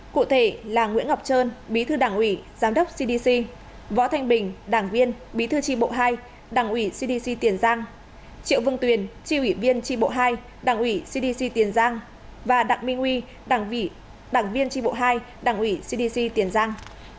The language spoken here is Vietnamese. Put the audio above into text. cụ thể là nguyễn ngọc trơn bí thư đảng ủy giám đốc cdc võ thanh bình đảng viên bí thư tri bộ hai đảng ủy cdc tiền giang triệu vân tuyền tri ủy viên tri bộ hai đảng ủy cdc tiền giang và đặng minh huy đảng viên tri bộ hai đảng ủy cdc tiền giang